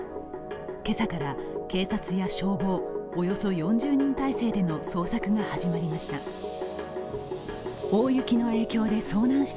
今朝から警察や消防、およそ４０人態勢での捜索が始まりました。